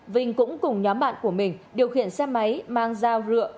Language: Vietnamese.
vinh cũng cùng nhóm bạn của mình điều khiển xe máy mang dao rượu